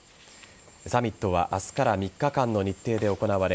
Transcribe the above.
サミットは明日から３日間の日程で行われ